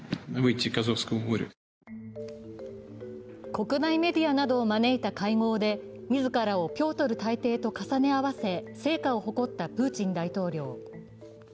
国内メディアなどを招いた会合で自らをピョートル大帝と重ね合わせ成果を誇ったプーチン大統領。